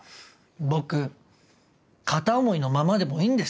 僕片思いのままでもいいんです。